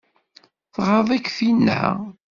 Tɣaḍ-ik tinna?